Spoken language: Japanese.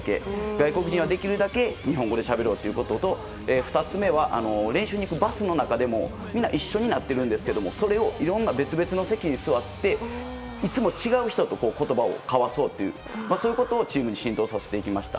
外国人はできるだけ日本語でしゃべろうということと２つ目は練習に行くバスの中でもみんな一緒になっているんですけどいろんな別々の席に座って、いつも違う人と言葉を交わそうというそういうことをチームに浸透させていきました。